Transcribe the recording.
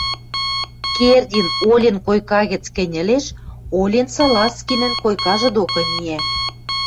Кердин олен койка гӹц кӹньӹлеш, олен Салазкинӹн койкажы докы миӓ